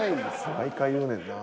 毎回言うねんな。